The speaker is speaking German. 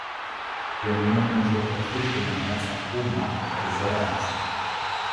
Wir nehmen unsere Verpflichtungen als Atommacht sehr ernst.